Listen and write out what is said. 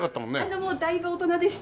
あのもうだいぶ大人でした。